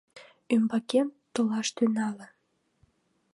Ӱмбакем толаш тӱҥале.